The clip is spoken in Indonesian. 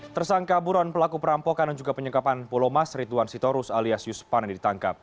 tersangka buruan pelaku perampokan dan juga penyengkapan pulomas rituan sitorus alias yus pane ditangkap